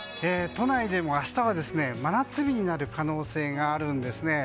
都内でも明日は真夏日になる可能性があるんですね。